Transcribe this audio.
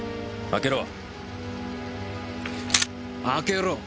開けろ。